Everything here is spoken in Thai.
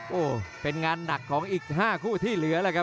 ดีมีอาการรึเปล่าครับน่าเสียที่๕มาแล้วครับ